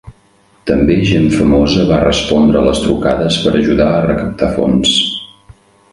També gent famosa va respondre a les trucades per ajudar a recaptar fons.